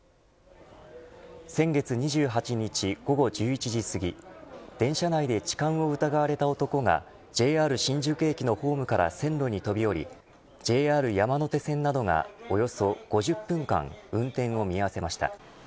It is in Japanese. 先月２８日午後１１時すぎ電車内で痴漢を疑われた男がＪＲ新宿駅のホームから線路に飛び降りＪＲ山手線などがおよそ５０分間運転を見合わせました。